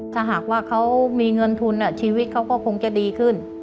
ถ้าหากว่าเขามีเงินทุนชีวิตเขาก็คงจะดีขึ้น